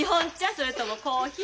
それともコーヒー？